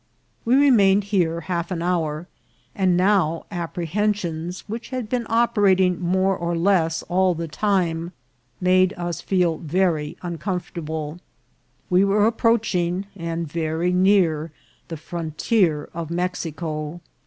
We remained here half an hour ; and now apprehen sions, which had been operating more or less all the time, made us feel very uncomfortable. We were ap proaching, and very near, the frontier of Mexico.